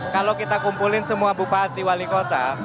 kalau kita kumpulin semua bupati wali kota